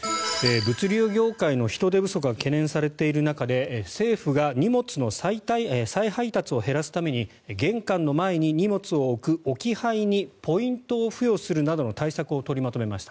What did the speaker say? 物流業界の人手不足が懸念されている中で政府が荷物の再配達を減らすために玄関の前に荷物を置く置き配にポイントを付与するなどの対策を取りまとめました。